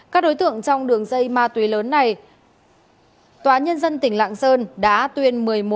các đối tượng trong đường dây ma túy lớn này